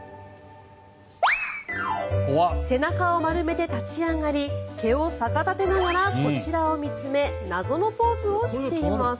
背中を丸めて立ち上がり毛を逆立てながらこちらを見つめ謎のポーズをしています。